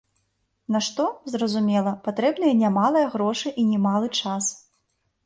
На што, зразумела, патрэбныя немалыя грошы і немалы час.